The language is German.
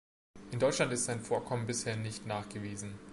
In Deutschland ist ein Vorkommen bisher nicht nachgewiesen.